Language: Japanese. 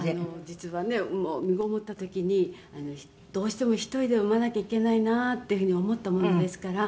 「実はねみごもった時にどうしても１人で産まなきゃいけないなっていうふうに思ったもんですから」